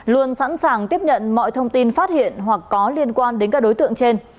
luôn sẵn sàng tiếp nhận mọi thông tin phát hiện hoặc có liên quan đến các đối tượng trên